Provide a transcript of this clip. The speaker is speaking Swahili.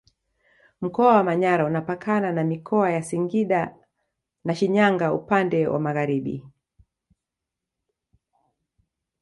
Mkoa wa Manyara unapakana na Mikoa ya Singida na Shinyanga upande wa magharibi